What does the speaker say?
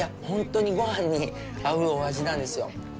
ほんとにごはんに合うお味なんですよ。